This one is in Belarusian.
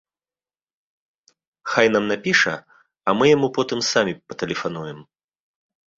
Хай нам напіша, а мы яму потым самі патэлефануем.